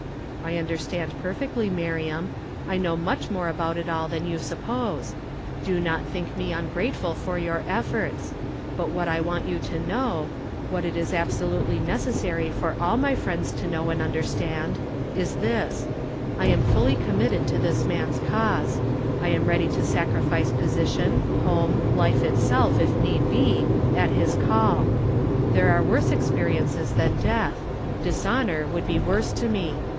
" I understand perfectly, Miriam ; I know much more about it all than you suppose. Do not think me ungrateful for your efforts ; but what I want you to know — what it is absolutely necessary for all my friends to know and understand — is this : I am fully committed to this man's cause ; I am ready to sacrifice position, home, life itself if need be, at his call. There are woi se experiences than death; dishonor would be worse to me.